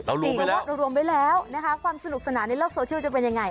จริงแล้วเรารวมไว้แล้วนะคะความสนุกสนานในโลกโซเชียลจะเป็นยังไง